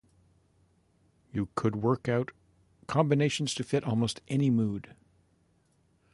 You could work out combinations to fit almost any mood.